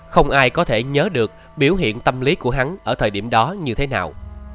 không ai có thể nhớ được biểu hiện tâm lý của hắn ở thời điểm đó như thế nào